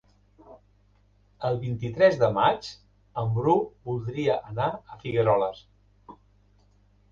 El vint-i-tres de maig en Bru voldria anar a Figueroles.